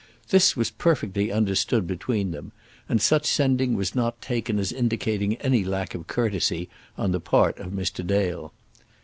This was perfectly understood between them, and such sending was not taken as indicating any lack of courtesy on the part of Mr. Dale.